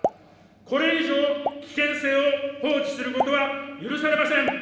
これ以上危険性を放置することは許されません。